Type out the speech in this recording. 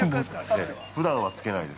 ふだんは付けないです。